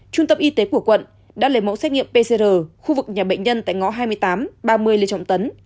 trung tâm y tế của quận đã lấy mẫu xét nghiệm pcr khu vực nhà bệnh nhân tại ngõ hai mươi tám ba mươi lê trọng tấn